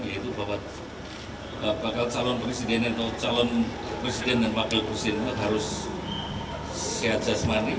yaitu bahwa bakal calon presiden atau calon presiden dan wakil presiden harus sehat jasmani